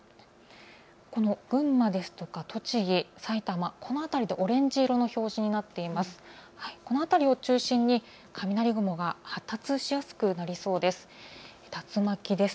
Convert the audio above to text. この群馬ですとか栃木、埼玉この辺りでオレンジ色の表示になっています。